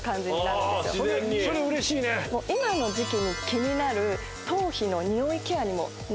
今の時季に気になる。